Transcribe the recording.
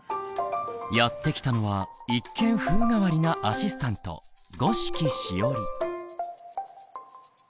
やって来たのは一見風変わりなアシスタント五色しおり。